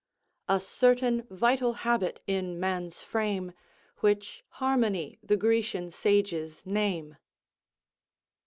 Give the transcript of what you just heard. "A certain vital habit in man's frame, Which harmony the Grecian sages name."